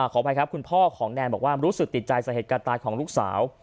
ขออภัยครับคุณพ่อของแนนบอกว่ารู้สึกติดใจสาเหตุการณ์ตายของลูกสาว